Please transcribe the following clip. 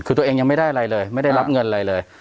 คือตัวเองยังไม่ได้อะไรเลยไม่ได้รับเงินอะไรเลย